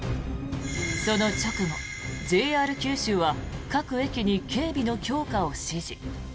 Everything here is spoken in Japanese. その直後、ＪＲ九州は各駅に警備の強化を指示。